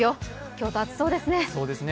京都暑そうですね。